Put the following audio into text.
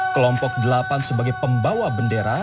kelompok delapan sebagai pembawa bendera